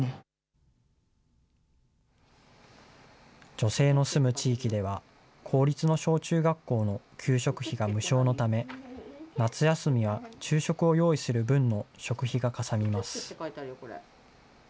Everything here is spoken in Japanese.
女性の住む地域では、公立の小中学校の給食費が無償のため、夏休みは昼食を用意する分の食費がかさみます。